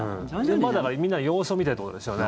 まだみんな様子を見てってことですよね。